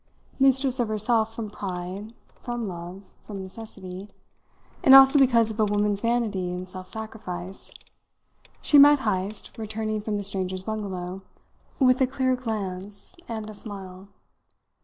Mistress of herself from pride, from love, from necessity, and also because of a woman's vanity in self sacrifice, she met Heyst, returning from the strangers' bungalow, with a clear glance and a smile.